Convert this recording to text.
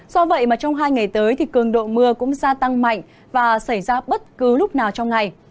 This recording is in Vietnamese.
do vậy mà trong hai ngày tới thì cường độ mưa cũng gia tăng mạnh và xảy ra bất cứ lúc nào trong ngày